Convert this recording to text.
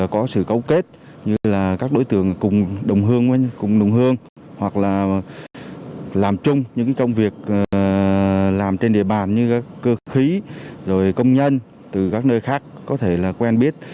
cơ khí công nhân từ các nơi khác có thể là quen biết